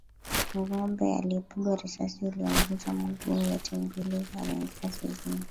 Ng'ombe aliyepigwa risasi iliyomvunja miguu yote ya mbele ameunguka zizini.